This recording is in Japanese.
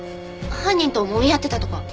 犯人ともみ合ってたとか？